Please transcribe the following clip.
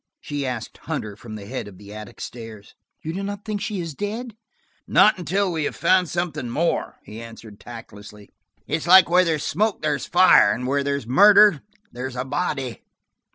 she asked Hunter, from the head of the attic stairs, "you do not think she is dead?" "Not until we have found something more," he answered tactlessly. "It's like where there's smoke there's fire; where there's murder there's a body."